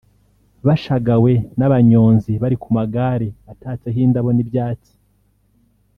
bashagawe n’abanyonzi bari ku magare atatseho indabo n’ibyatsi